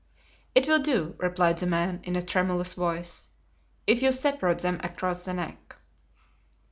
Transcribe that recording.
"It will do," replied the man, in a tremulous voice, "if you separate them across the neck."